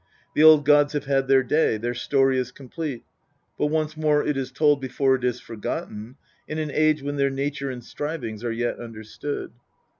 The old gods have had their day, their story is complete ; but once more it is told before it is forgotten, in an age when their nature and strivings are yet understood.